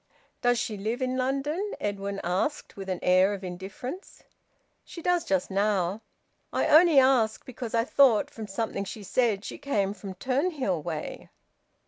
"Does she live in London?" Edwin asked, with an air of indifference. "She does just now." "I only ask because I thought from something she said she came from Turnhill way."